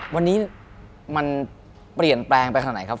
วันนี้มันเปลี่ยนแปลงไปทางไหนครับ